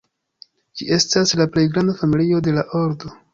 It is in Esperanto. Ĝi estas la plej granda familio de la ordo.